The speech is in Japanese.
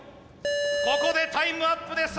ここでタイムアップです。